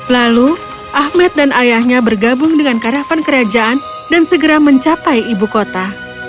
lalu ahmed dan ayahnya bergabung dengan karavan kerajaan dan segera mencapai ibu kota